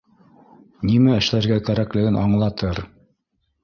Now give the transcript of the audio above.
Нимә эшләргә кәрәклеген аңлатыр